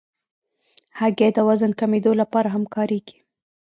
هګۍ د وزن کمېدو لپاره هم کارېږي.